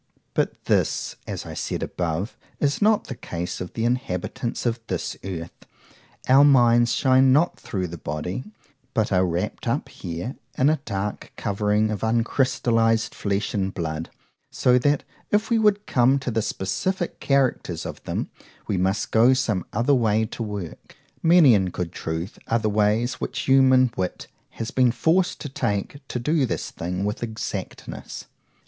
But this, as I said above, is not the case of the inhabitants of this earth;—our minds shine not through the body, but are wrapt up here in a dark covering of uncrystalized flesh and blood; so that, if we would come to the specific characters of them, we must go some other way to work. Many, in good truth, are the ways, which human wit has been forced to take, to do this thing with exactness.